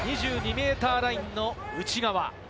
敵陣２２ｍラインの内側。